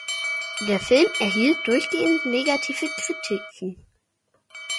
Der Film erhielt durchgehend negative Kritiken.